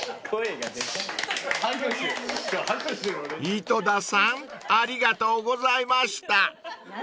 ［井戸田さんありがとうございました］